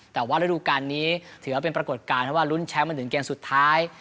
แต่ว่าฤดูการนี้ถือว่าเป็นปรากฏการณ์เพราะว่าลุ้นแชมป์มาถึงเกมสุดท้าย